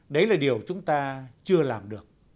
đấy là điều chúng ta chưa làm được